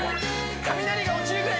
雷落ちるぐらい？